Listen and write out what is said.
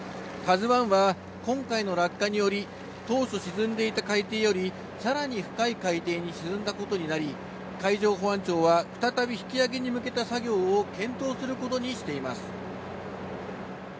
ＫＡＺＵＩは今回の落下により、当初沈んでいた海底よりさらに深い海底に沈んだことになり、海上保安庁は、再び引き揚げに向けた作業を検討することにしています。